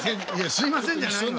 「すいません」じゃないのよ。